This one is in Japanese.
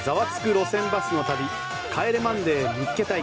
路線バスの旅」「帰れマンデー見っけ隊！！」